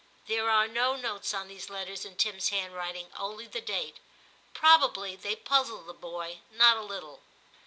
There are no notes on these letters in Tim's handwriting, only the date ; probably they puzzled the boy not a little.